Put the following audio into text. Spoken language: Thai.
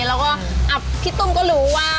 และพี่ตุ้มก็รู้ว่า